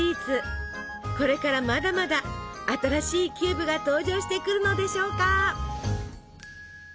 これからまだまだ新しいキューブが登場してくるのでしょうか。